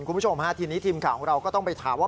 คุณผู้ชมฮะทีนี้ทีมข่าวของเราก็ต้องไปถามว่า